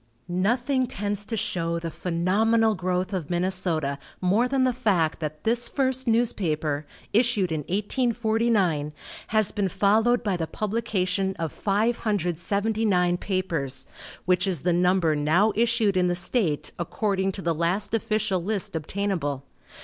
Nothing tends to show the phenomenal growth of Minnesota more than the fact that this first newspaper, issued in 1849, has been followed by the publication of 579 papers, which is the number now issued in the state according to the last official list obtainable.